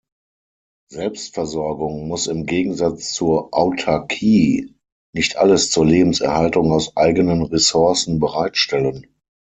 Selbstversorgung muss im Gegensatz zur Autarkie nicht alles zur Lebenserhaltung aus eigenen Ressourcen bereitstellen.